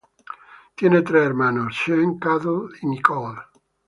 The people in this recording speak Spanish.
Tiene tres hermanos, Sean, Katie y Nicole.